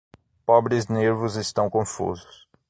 Pobres nervos estão confusos.